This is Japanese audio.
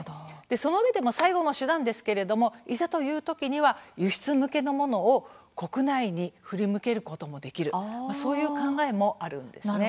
そのうえで最後の手段ですけれどもいざというときには輸出向けのものを国内に振り向けることもできるそういう考えもあるんですね。